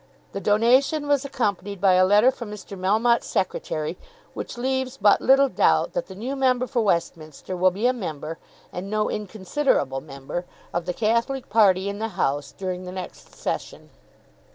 The donation was accompanied by a letter from Mr. Melmotte's secretary, which leaves but little doubt that the new member for Westminster will be a member, and no inconsiderable member, of the Catholic party in the House, during the next session."